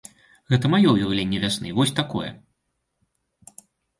Гэта маё ўяўленне вясны, вось такое.